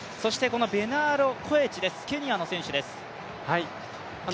ベナード・コエチ、ケニアの選手です。